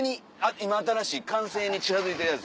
今新しい完成に近づいてるやつ。